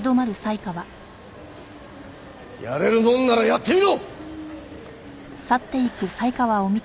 やれるもんならやってみろ！